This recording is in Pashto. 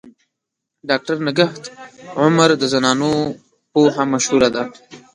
ډاکټر نگهت عمر د زنانو پوهه مشهوره ده.